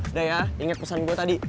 udah ya inget pesan gue tadi